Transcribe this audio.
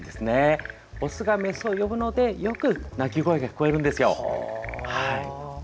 オスがメスを呼ぶのでよく鳴き声が聞こえるんです。